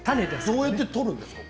どうやって取るんですか？